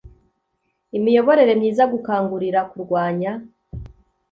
imiyoborere myiza gukangurira kurwanya